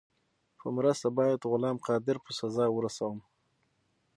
په مرسته باید غلام قادر په سزا ورسوم.